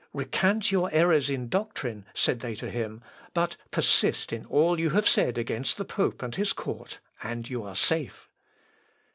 "Recant your errors in doctrine," said they to him; "but persist in all you have said against the pope and his court, and you are safe."